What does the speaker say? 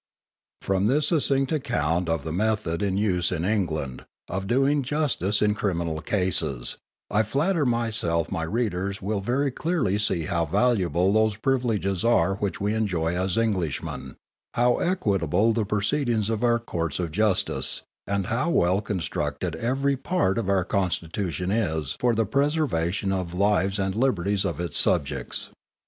_ _From this succinct account of the method in use in England, of doing justice in criminal cases, I flatter myself my readers will very clearly see how valuable those privileges are which we enjoy as Englishmen; how equitable the proceedings of our Courts of Justice; and how well constructed every part of our constitution is for the preservation of the lives and liberties of its subjects.